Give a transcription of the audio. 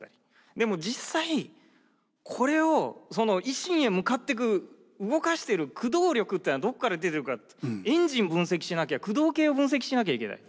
でも実際これを維新へ向かってく動かしている駆動力っていうのはどこから出てるかエンジン分析しなきゃ駆動系を分析しなきゃいけない。